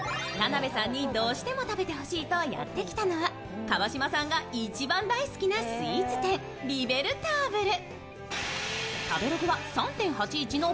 田辺さんにどうしても食べてほしいとやってきたのは、川島さんが一番大好きなスイーツ店、リベルターブル。